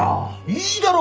いいだろ！